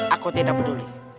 aku tidak peduli